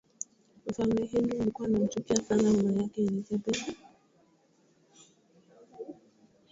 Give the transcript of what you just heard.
mfalme henry alikuwa anamchukia sana mama yake elizabeth